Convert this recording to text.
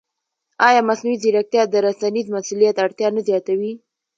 ایا مصنوعي ځیرکتیا د رسنیز مسؤلیت اړتیا نه زیاتوي؟